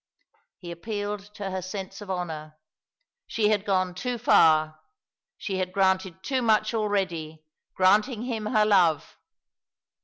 He appealed to her sense of honour. She had gone too far she had granted too much already, granting him her love.